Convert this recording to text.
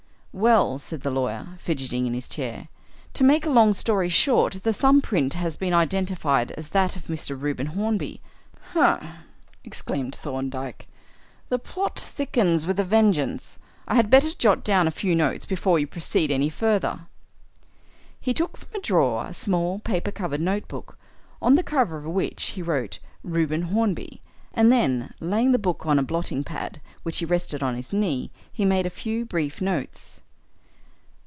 "Well," said the lawyer, fidgeting in his chair, "to make a long story short, the thumb print has been identified as that of Mr. Reuben Hornby." "Ha!" exclaimed Thorndyke. "The plot thickens with a vengeance. I had better jot down a few notes before you proceed any further." He took from a drawer a small paper covered notebook, on the cover of which he wrote "Reuben Hornby," and then, laying the book open on a blotting pad, which he rested on his knee, he made a few brief notes.